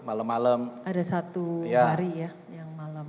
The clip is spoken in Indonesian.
ada satu hari ya yang malam